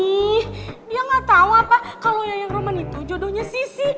ih dia enggak tau apa kalau yang roman itu jodohnya sissy